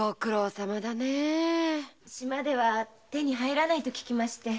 島では手に入らないと聞きまして。